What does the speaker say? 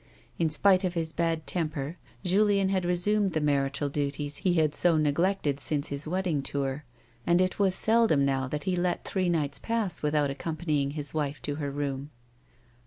In spite of his bad temper, Julien had resumed the marital duties he had so neglected since his wedding tour, and it was seldom now A WOMAN'S LIFE. 103 that he let three nights pass, without accompanying his wife to her room.